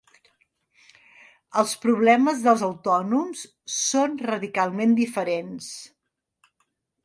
Els problemes dels autònoms són radicalment diferents.